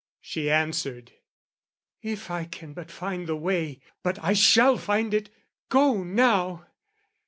She answered, "If I can but find the way. "But I shall find it. Go now!"